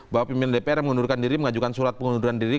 bahwa pimpinan dpr yang mengundurkan diri mengajukan surat pengunduran diri